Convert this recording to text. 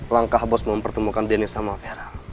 langkah bos mempertemukan denny sama vera